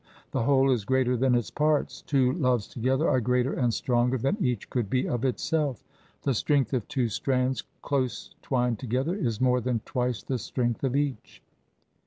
The whole is greater than its parts, two loves together are greater and stronger than each could be of itself. The strength of two strands close twined together is more than twice the strength of each."